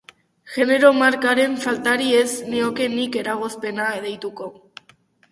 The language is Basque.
Genero-markaren faltari ez nioke nik eragozpena deituko.